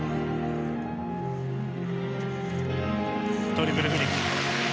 トリプルフリップ。